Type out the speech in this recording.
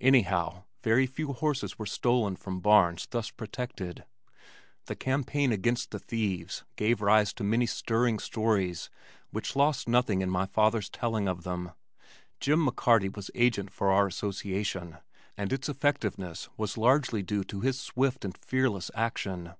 Anyhow very few horses were stolen from barns thus protected. The campaign against the thieves gave rise to many stirring stories which lost nothing in my father's telling of them. Jim McCarty was agent for our association and its effectiveness was largely due to his swift and fearless action.